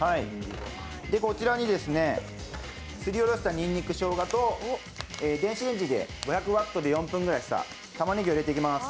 こちらにすりおろしたにんにくしょうがと電子レンジ、５００Ｗで５分ぐらいしたものを入れていきます。